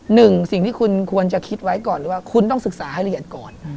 หนึ่งสิ่งที่คุณควรจะคิดไว้ก่อนหรือว่าคุณต้องศึกษาให้ละเอียดก่อน